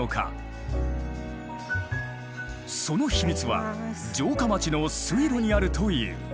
その秘密は城下町の水路にあるという。